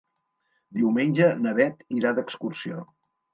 Diumenge na Bet irà d'excursió.